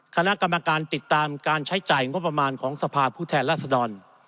คณะกรรมการติดตามการใช้จ่ายงบประมาณของสภาพผู้แทนรัศดร